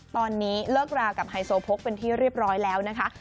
ตอนนี้เลิกรากับไฮโซโพกเป็นที่เรียบร้อยแล้วนะคะ